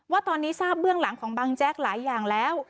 ว่าตอนนี้ทราบเบื้องหลังของบังแจ๊กหลายอย่างแล้ว